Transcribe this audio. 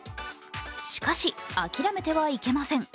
しかし、諦めてはいけません。